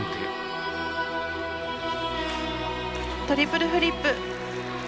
トリプルフリップ。